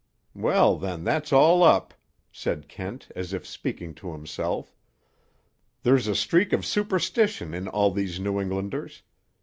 Well, then that's all up," said Kent, as if speaking to himself. "There's a streak of superstition in all these New Englanders.